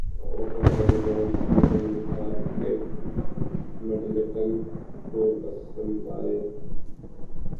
وہ پاکستانی برانڈز جن کے ملبوسات کیٹ مڈلٹن کو پسند ائے